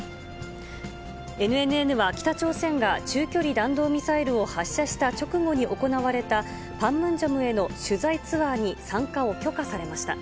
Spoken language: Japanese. ＮＮＮは、北朝鮮が中距離弾道ミサイルを発射した直後に行われたパンムンジョムへの取材ツアーに参加を許可されました。